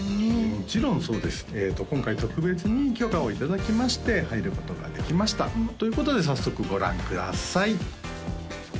もちろんそうです今回特別に許可をいただきまして入ることができましたということで早速ご覧ください